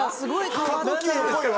過呼吸の恋は？